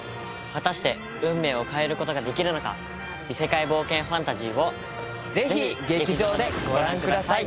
果たして運命を変えることができるのか異世界冒険ファンタジーを是非劇場でご覧ください